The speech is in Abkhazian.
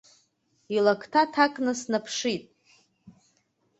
Илакҭа ҭкааны сынҭаԥшит.